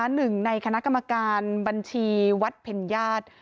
หนึ่งในคณะกรรมการบัญชีวัดเพ็ญญาติ